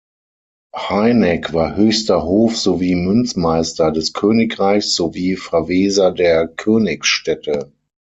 Hynek war höchster Hof- sowie Münzmeister des Königreichs sowie Verweser der Königsstädte.